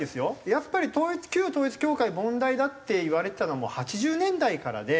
やっぱり旧統一教会問題だっていわれてたのはもう８０年代からで。